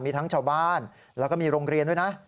มีทั้งชาวบ้านแล้วก็มีโรงเรียนด้วยนะ